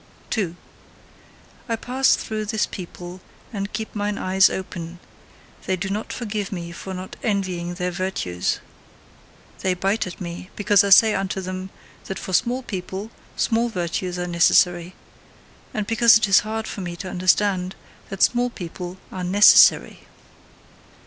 2. I pass through this people and keep mine eyes open: they do not forgive me for not envying their virtues. They bite at me, because I say unto them that for small people, small virtues are necessary and because it is hard for me to understand that small people are NECESSARY!